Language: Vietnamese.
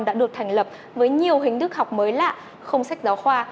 đã được thành lập với nhiều hình thức học mới lạ không sách giáo khoa